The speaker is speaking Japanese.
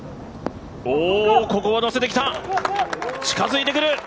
ここはのせてきた近づいてきた！